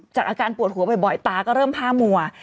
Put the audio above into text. อาการปวดหัวบ่อยตาก็เริ่มผ้ามัว